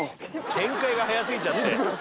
展開が早すぎちゃって。